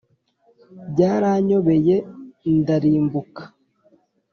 byaranyobeye, ndarimbuka